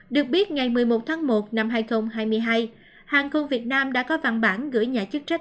được biết ngày một mươi một tháng một năm hai nghìn hai mươi hai hàng không việt nam đã có văn bản gửi nhà chức trách